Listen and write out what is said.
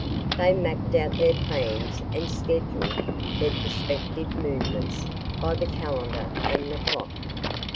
They mapped out their plans and scheduled their prospective movements by the calendar and the clock.